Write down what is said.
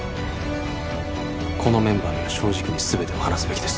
このメンバーには正直に全てを話すべきです